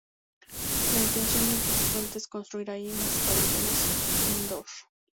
La intención del presidente es construir allí más pabellones indoor.